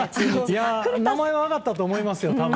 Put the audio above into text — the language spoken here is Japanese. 名前は挙がったと思いますよ。